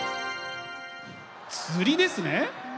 釣りですね。